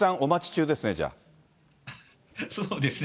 そうですね。